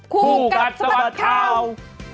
คู่กัดสะบัดข่าว